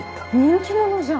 人気者じゃん。